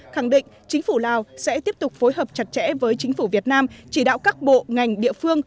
khẳng định chính phủ lào sẽ tiếp tục phối hợp chặt chẽ với chính phủ việt nam chỉ đạo các bộ ngành địa phương